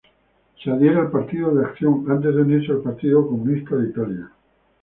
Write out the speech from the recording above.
Se adhiere al Partido de Acción antes de unirse al Partido Comunista de Italia.